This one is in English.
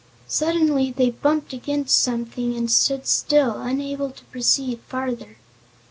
Suddenly they bumped against something and stood still, unable to proceed farther.